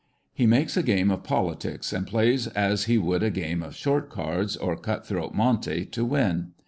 He makes a game of politics, and plays as he would a game of short cards or cut throat monte to win.